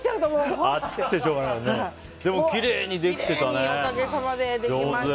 でも、きれいにできてたね。